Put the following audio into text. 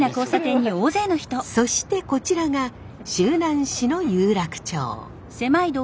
そしてこちらが周南市の有楽町。